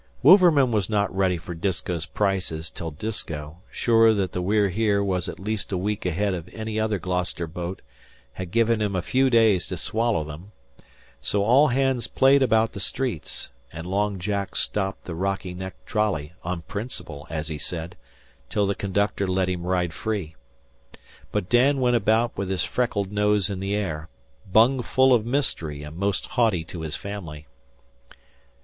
Wouverman was not ready for Disko's prices till Disko, sure that the We're Here was at least a week ahead of any other Gloucester boat, had given him a few days to swallow them; so all hands played about the streets, and Long Jack stopped the Rocky Neck trolley, on principle, as he said, till the conductor let him ride free. But Dan went about with his freckled nose in the air, bung full of mystery and most haughty to his family.